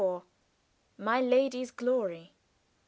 "My Lady's Glory."